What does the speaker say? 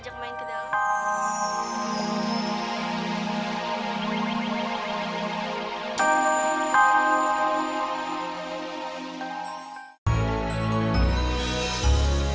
tetap hidup di indonesiaje